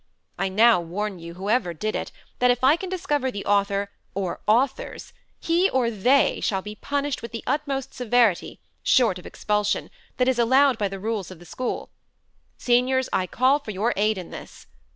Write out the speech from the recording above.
I now warn you, whoever did it, that if I can discover the author or authors, he or they shall be punished with the utmost severity, short of expulsion, that is allowed by the rules of the school. Seniors, I call for your aid in this.